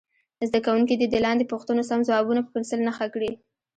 زده کوونکي دې د لاندې پوښتنو سم ځوابونه په پنسل نښه کړي.